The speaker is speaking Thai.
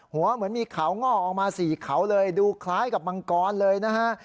เหมือนมีเขาง่อออกมาสี่เขาเลยดูคล้ายกับมังกรเลยนะฮะ